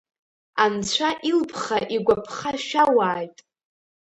Анцәа илԥха-игәаԥха шәауааит!